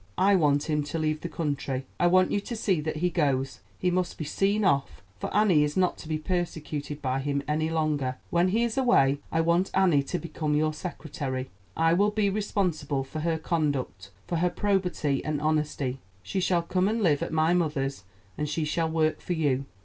I want him to leave the country; I want you to see that he goes. He must be seen off, for Annie is not to be persecuted by him any longer. When he is away I want Annie to become your secretary. I will be responsible for her conduct, for her probity and honesty; she shall come and live at my mother's, and she shall work for you.